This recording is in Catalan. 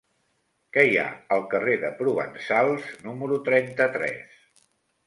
Què hi ha al carrer de Provençals número trenta-tres?